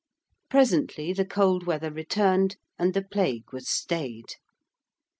Presently the cold weather returned and the Plague was stayed.